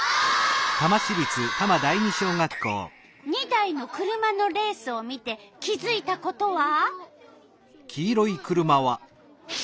２台の車のレースを見て気づいたことは？